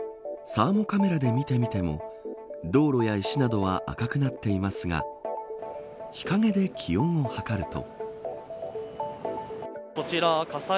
サーモカメラで見てみても道路や石などは赤くなっていますが日陰で気温をはかると。